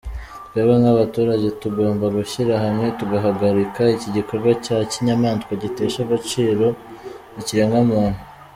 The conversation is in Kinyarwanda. Twebwe nk’abaturage tugomba gushyira hamwe tugahagarika iki gikorwa cya kinyamaswa gitesha agaciro ikiremwamuntu.